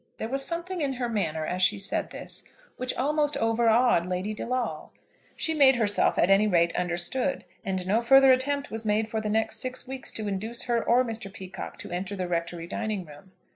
There was something in her manner, as she said this, which almost overawed Lady De Lawle. She made herself, at any rate, understood, and no further attempt was made for the next six weeks to induce her or Mr. Peacocke to enter the Rectory dining room.